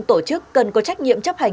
tổ chức cần có trách nhiệm chấp hành